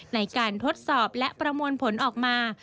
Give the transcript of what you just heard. ในการทดสอบและประมวลผลออกมา